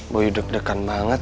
boyu deg degan banget